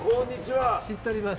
知っております。